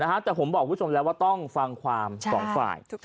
นะฮะแต่ผมบอกคุณชมแล้วว่าต้องฟังความ๒ฝ่าย